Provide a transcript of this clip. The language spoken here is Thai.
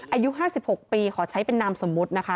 อายุ๕๖ปีขอใช้เป็นนามสมมุตินะคะ